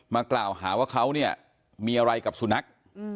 มากล่าวหาว่าเขาเนี่ยมีอะไรกับสุนัข